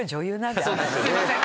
すいません。